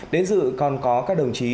đến dự còn có các đồng chí